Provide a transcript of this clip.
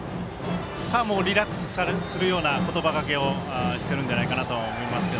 リラックスするような言葉がけをしているんじゃないかと思います。